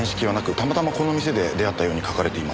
たまたまこの店で出会ったように書かれています。